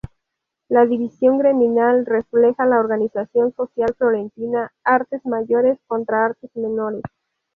La división gremial refleja la organización social florentina: artes mayores contra artes menores.